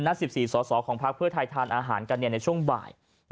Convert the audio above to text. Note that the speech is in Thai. ๑๔สอสอของพักเพื่อไทยทานอาหารกันในช่วงบ่าย